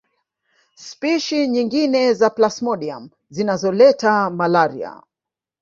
Spishi nyingine za plasmodium zinazoleta malaria